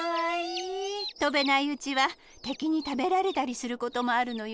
とべないうちはてきにたべられたりすることもあるのよ。